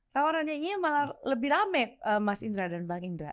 tawarannya ini malah lebih rame mas indra dan bang indra